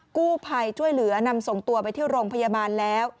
กู้ภัยช่วยเหลือนำส่งตัวไปที่โรงพยาบาลแล้ว